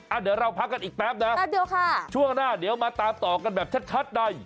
อ่ะเดี๋ยวเราพักกันอีกแป๊บนะช่วงหน้าเดี๋ยวมาตามต่อกันแบบชัดได้